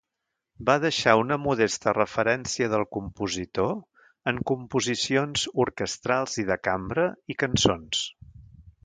Va deixar una modesta referència del compositor en composicions orquestrals i de cambra i cançons.